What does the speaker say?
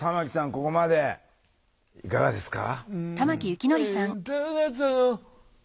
ここまでいかがですか？